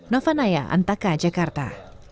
nova naya antaka jakarta